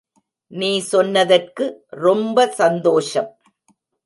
நீ சொன்னதற்கு ரொம்ப சந்தோஷம்.